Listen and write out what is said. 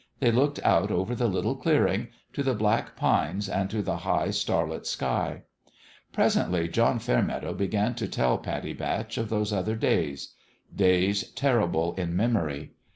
They looked out over the little clearing to the black pines and to the high star lit sky. Presently John Fairmeadow began to tell Pattie Batch of those other days days terrible in memory.